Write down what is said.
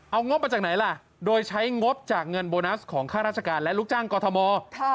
เอางบมาจากไหนล่ะโดยใช้งบจากเงินโบนัสของข้าราชการและลูกจ้างกอทม